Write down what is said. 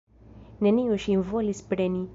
Neniu ŝin volis preni.